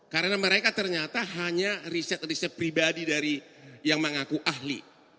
karena mereka ternyata hanya riset riset pribadi dari yang mengaku ahli